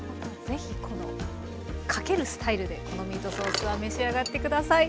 是非このかけるスタイルでこのミートソースは召し上がって下さい。